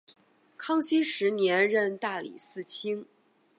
康熙十年任大理寺卿。